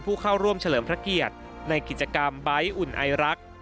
ผู้เข้าร่วมเฉลิมพระเกียรติในกิจกรรมใบ้อุ่นไอรัก